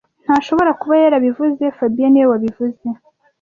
Ntashobora kuba yarabivuze fabien niwe wabivuze